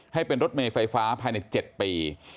ให้เป็นรถเมย์ไฟฟ้าภายใน๗ปี